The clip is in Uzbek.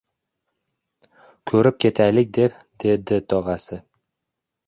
ko‘rib ketaylik deb… — dedi, tog‘asi.